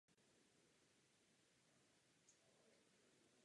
Ve Svitavách se nacházela synagoga a židovský hřbitov.